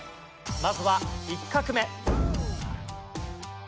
まずは１画目。